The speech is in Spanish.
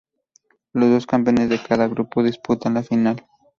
Los dos campeones de cada grupo disputan la final.